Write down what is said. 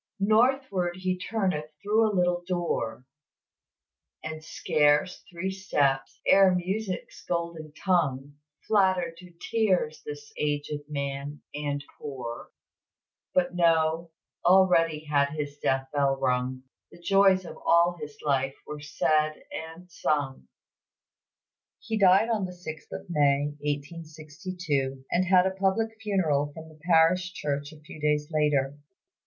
"Northward he turneth through a little door, And scarce three steps, ere Music's golden tongue, Flattered to tears this aged man and poor; But no already had his death bell rung, The joys of all his life were said and sung." He died on the 6th of May, 1862, and had a public funeral from the parish church a few days later.